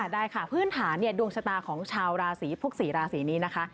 ได้ค่ะพื้นฐานดวงชะตาของชาวราศีพวก๔ราศีนี้นะคะ